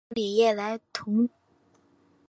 阿夫里耶莱蓬索人口变化图示